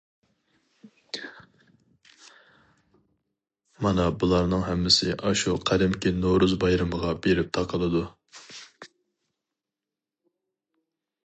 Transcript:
مانا بۇلارنىڭ ھەممىسى ئاشۇ قەدىمكى نورۇز بايرىمىغا بېرىپ تاقىلىدۇ.